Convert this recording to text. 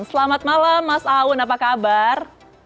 selamat malam mas aun apa kabar